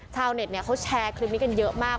ชาวเน็ตเขาแชร์คลิปนี้กันเยอะมาก